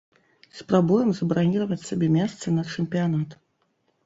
Спрабуем забраніраваць сабе месца на чэмпіянат.